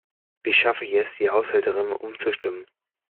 Wie schaffe ich es, die Haushälterin umzustimmen?